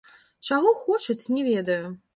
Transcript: Чаго хочуць, не ведаю.